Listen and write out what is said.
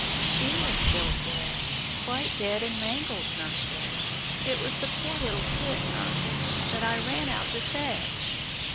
"She was killed dead quite dead and mangled, nurse said. It was the poor little kitten, uncle, that I ran out to fetch."